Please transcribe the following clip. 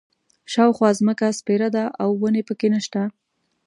شاوخوا ځمکه سپېره ده او ونې په کې نه شته.